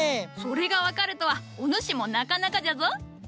それが分かるとはお主もなかなかじゃぞ。